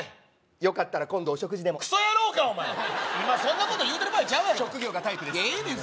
よかったら今度お食事でもクソ野郎かお前今そんなこと言うてる場合ちゃうやろ職業がタイプですええねん